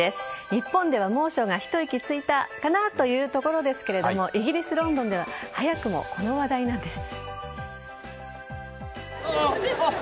日本では猛暑が一息ついたかなというところですがイギリス・ロンドンでは早くもこの話題なんです。